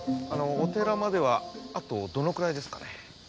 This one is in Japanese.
お寺まではあとどのくらいですかね？